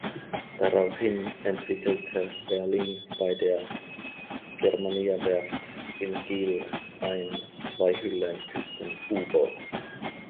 Daraufhin entwickelte Berling bei der Germaniawerft in Kiel ein Zweihüllen-Küsten-U-Boot.